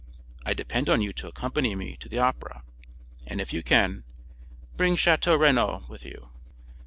I depend on you to accompany me to the Opera; and if you can, bring Château Renaud with you."